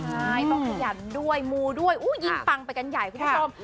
ใช่ต้องขยันด้วยมูด้วยยิ่งปังไปกันใหญ่คุณผู้ชม